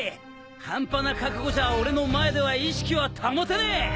半端な覚悟じゃ俺の前では意識は保てねえ！